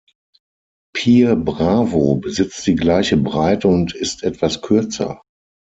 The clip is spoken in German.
Pier Bravo besitzt die gleiche Breite und ist etwas kürzer.